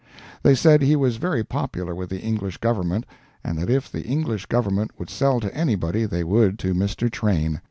They said he was very popular with the English Government, and that if the English Government would sell to anybody, they would to Mr. Train.